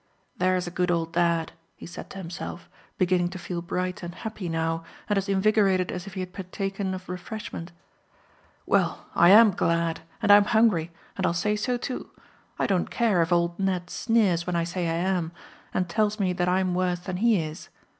"There's a good old dad," he said to himself, beginning to feel bright and happy now, and as invigorated as if he had partaken of refreshment. "Well, I am glad, and I am hungry, and I'll say so too. I don't care if old Ned sneers when I say I am, and tells me that I'm worse than he is.